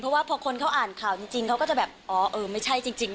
เพราะว่าพอคนเขาอ่านข่าวจริงเขาก็จะแบบอ๋อเออไม่ใช่จริง